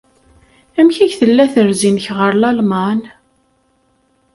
Amek ay tella terzi-nnek ɣer Lalman?